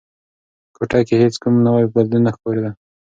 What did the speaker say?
کوټه کې هیڅ کوم نوی بدلون نه ښکارېده.